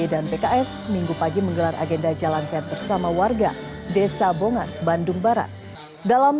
dan pks minggu pagi menggelar agenda jalanset bersama warga desa bongas bandung barat dalam